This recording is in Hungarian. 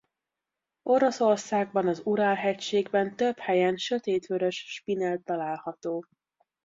Oroszországban az Ural-hegységben több helyen sötétvörös spinell található.